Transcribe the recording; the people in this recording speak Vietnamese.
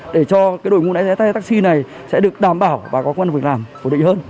để cho cái đội ngũ lái xe taxi này sẽ được đảm bảo và có quân việc làm phổ định hơn